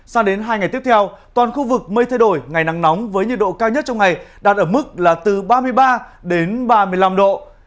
sang đến hai ngày tiếp theo toàn khu vực mây thay đổi ngày nắng nóng với nhiệt độ cao nhất trong ngày đạt ở mức là từ ba mươi ba đến ba mươi năm độ